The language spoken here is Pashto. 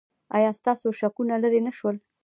ایا ستاسو شکونه لرې نه شول؟